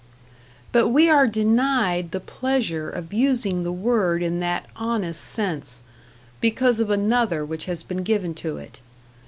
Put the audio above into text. But we are denied the pleasure of using the word in that honest sense, because of another which has been given to it.